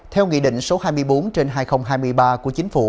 theo nghị định số hai mươi bốn trên hai nghìn hai mươi ba của chính phủ